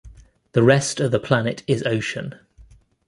The rest of the planet is ocean.